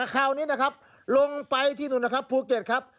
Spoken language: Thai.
คราวนี้นะครับลงไปที่นู่นนะครับภูเก็ตครับ